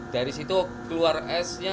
dari situ keluar esnya